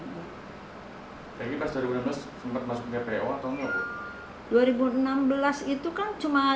peggy pas dua ribu enam belas sempat masuk dpo atau tidak